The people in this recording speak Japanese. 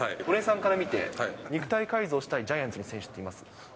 戸根さんから見て肉体改造したいジャイアンツの選手っています？